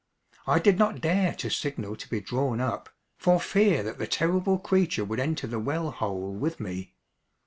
I did not dare to signal to be drawn up, for fear that the terrible creature would enter the well hole with me.